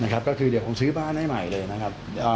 ก็คือเดี๋ยวคงซื้อบ้านให้ใหม่เลยนะครับ